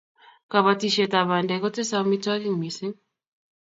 kabatishiet ab badek kotese amitwagik mising